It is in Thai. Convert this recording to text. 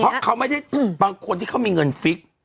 เพราะเขาไม่ได้บางคนที่เขามีเงินฟิก